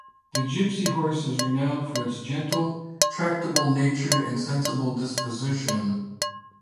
The Gypsy Horse is renowned for its gentle, tractable nature and sensible disposition.